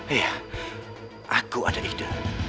iya aku ada ide